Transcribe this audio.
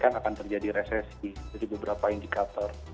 yang akan terjadi resesi jadi beberapa indikator